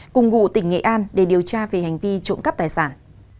cùng ngụ tỉnh nghệ an để điều tra về hành vi trộm cắp tài sản